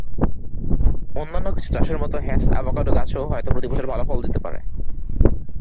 অন্যান্য কিছু চাষের মতো হ্যাস অ্যাভোকাডো গাছও হয়তো প্রতি বছর ভাল ফল দিতে পারে।